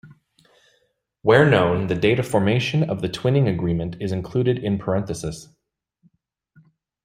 Where known, the date of formation of the twinning agreement is included in parentheses.